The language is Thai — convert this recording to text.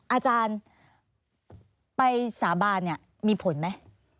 อาจารย์ไปสาบานเนี่ยมีผลไหม